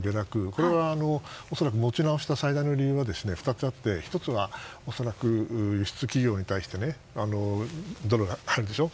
これは、恐らく持ち直した最大の理由が２つあって１つは恐らく輸出企業に対してドルが入るでしょ。